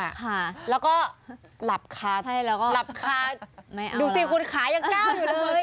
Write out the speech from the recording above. อะค่ะแล้วก็หลับคาใช่แล้วก็หลับคาไม่เอาแล้วดูสิคุณขายังก้าวเลย